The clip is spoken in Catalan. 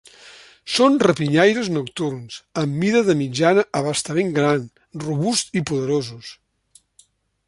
Són rapinyaires nocturns, amb mida de mitjana a bastant gran, robusts i poderosos.